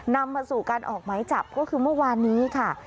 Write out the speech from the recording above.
นำมาสู่การออกหมายจับก็คือเมื่อวานนี้ค่ะ